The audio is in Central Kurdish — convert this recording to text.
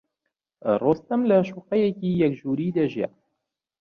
ڕۆستەم لە شوقەیەکی یەک ژووری دەژیا.